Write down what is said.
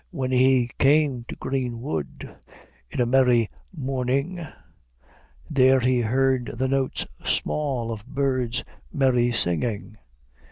"When he came to grene wode, In a mery mornynge, There he herde the notes small Of byrdes mery syngynge.